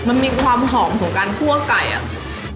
มันมีความหอมของการคั่วไก่อะ